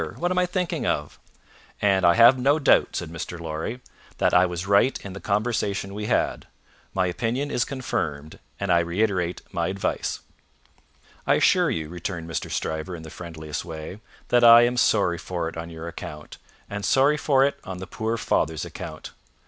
What am I thinking of!" "And I have no doubt," said Mr. Lorry, "that I was right in the conversation we had. My opinion is confirmed, and I reiterate my advice." "I assure you," returned Mr. Stryver, in the friendliest way, "that I am sorry for it on your account, and sorry for it on the poor father's account.